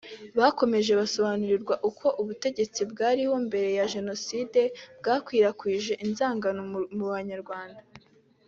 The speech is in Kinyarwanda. Bakomeje basobanurirwa uko ubutegetsi bwariho mbere ya Jenoside bwakwirakwije inzangano mu banyarwanda